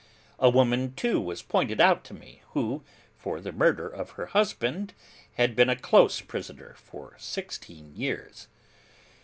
A woman, too, was pointed out to me, who, for the murder of her husband, had been a close prisoner for sixteen years.